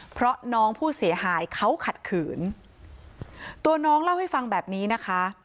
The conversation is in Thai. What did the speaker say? เพราะน้องผู้เสียหายเขาขัดขืนตัวน้องเล่าให้ฟังแบบนี้นะคะ